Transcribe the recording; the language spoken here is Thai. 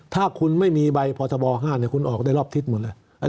ถ้าคุณไม่มีใบพบ๕คุณออกได้รอบทิศหมดเลย